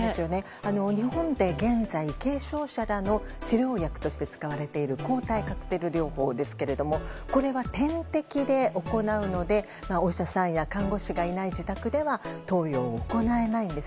日本で現在軽症者への治療薬として使われている抗体カクテル療法ですがこれは点滴で行うのでお医者さんや看護師がいない自宅では投与が行えないんです。